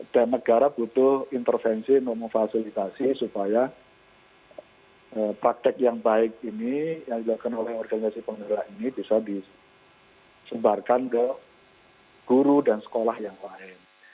dan negara butuh intervensi memfasilitasi supaya praktek yang baik ini yang dilakukan oleh organisasi penggerak ini bisa disumbarkan ke guru dan sekolah yang lain